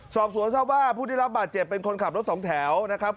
สอบศาลบ้าผู้ที่รับบาดเจ็บมีคนขับรถสองแถวนะครับ